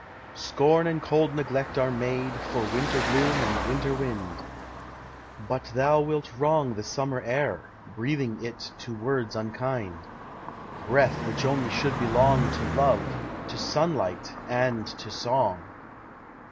Scorn and cold neglect are made For winter gloom and winter wind, But thou wilt wrong the summer air, Breathing it to words unkind, Breath which only should belong To love, to sunlight, and to song!